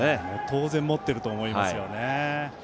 当然、持っていると思いますよね。